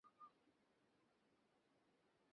দ্রুত কর ভাই!